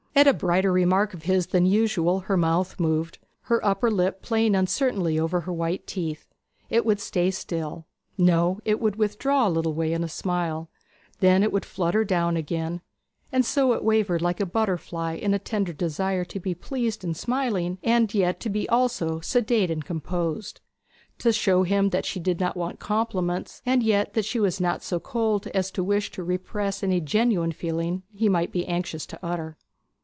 At a brighter remark of his than usual her mouth moved, her upper lip playing uncertainly over her white teeth; it would stay still no, it would withdraw a little way in a smile; then it would flutter down again; and so it wavered like a butterfly in a tender desire to be pleased and smiling, and yet to be also sedate and composed; to show him that she did not want compliments, and yet that she was not so cold as to wish to repress any genuine feeling he might be anxious to utter.